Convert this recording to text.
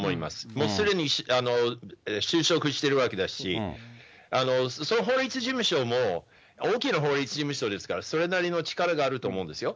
もうすでに就職してるわけだし、その法律事務所も大きな法律事務所ですから、それなりの力があると思うんですよ。